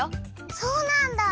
そうなんだ！